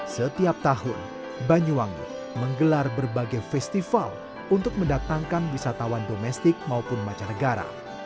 setiap tahun banyuwangi menggelar berbagai festival untuk mendatangkan wisatawan domestik maupun mancanegara